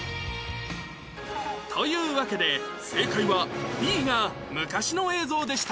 というわけで正解は Ｂ が昔の映像でした